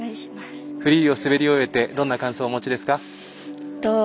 フリーを滑り終えてどんな感想をお持ちですか？